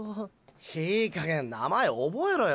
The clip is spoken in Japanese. いいかげん名前おぼえろよ。